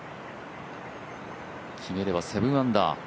決めれば７アンダー。